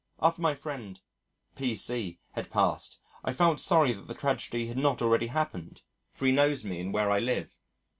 After my friend, P.C. , had passed, I felt sorry that the tragedy had not already happened, for he knows me and where I live.